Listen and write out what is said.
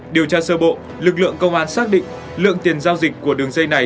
điều tra sơ bộ lực lượng công an xác định lượng tiền giao dịch của đường dây này